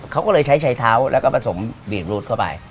เขาก็เลยใช้ชายเท้าแล้วก็ผสมบีดรูดเข้าไป